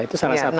itu salah satu